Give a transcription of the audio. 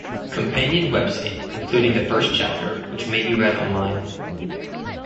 Companion web site, including the first chapter, which may be read online.